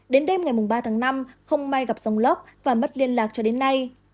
đến đêm ngày ba tháng năm không may gặp dòng lóc và mất liên lạc cho đến nay